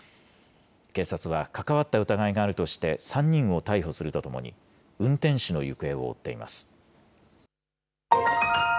警察は関わった疑いがあるとして３人を逮捕するとともに、運転手の行方を追っています。